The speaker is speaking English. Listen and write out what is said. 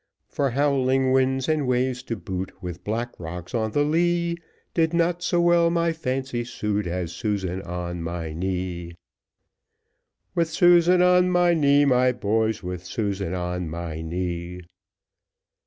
For howling winds and waves to boot, With black rocks on the lee, Did not so well my fancy suit, As Susan on my knee. Chorus. With Susan on my knee, my boys, With Susan on my knee.